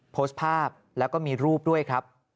โพสต์ภาพแล้วก็มีรูปด้วยครับ